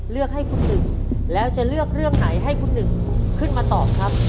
เลือกให้คุณหนึ่งแล้วจะเลือกเรื่องไหนให้คุณหนึ่งขึ้นมาตอบครับ